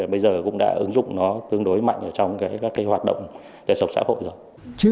bây giờ cũng đã ứng dụng nó tương đối mạnh ở trong các cái hoạt động đời sống xã hội rồi